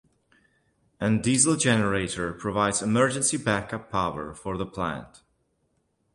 An diesel generator provides emergency backup power for the plant.